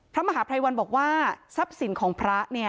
พระมหาพระอิวัลบอกว่าทรัพย์สินของพระ